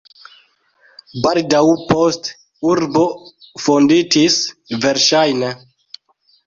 Baldaŭ poste urbo fonditis verŝajne.